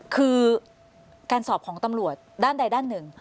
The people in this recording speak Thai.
คือการสอบของตำรวจด้านใดด้านหนึ่ง